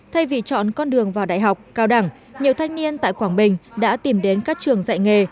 thay vì chọn con đường vào đại học cao đẳng nhiều thanh niên tại quảng bình đã tìm đến các trường dạy nghề